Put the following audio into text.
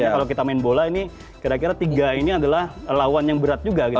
kalau kita main bola ini kira kira tiga ini adalah lawan yang berat juga gitu